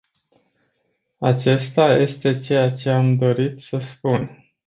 Aceasta este ceea ce am dorit să spun.